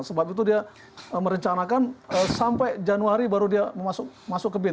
sebab itu dia merencanakan sampai januari baru dia masuk ke bin